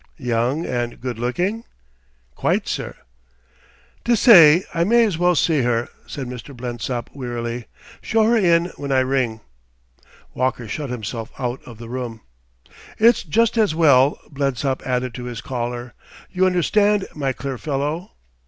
Young and good looking?" "Quite, sir." "Dessay I may as well see her," said Mr. Blensop wearily. "Show her in when I ring." Walker shut himself out of the room. "It's just as well," Blensop added to his caller. "You understand, my clear fellow